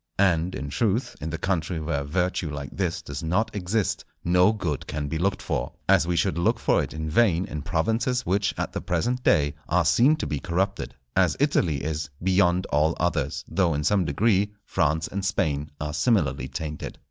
And, in truth, in the country where virtue like this does not exist, no good can be looked for, as we should look for it in vain in provinces which at the present day are seen to be corrupted; as Italy is beyond all others, though, in some degree, France and Spain are similarly tainted.